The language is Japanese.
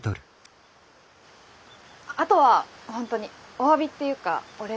あとは本当におわびっていうかお礼です。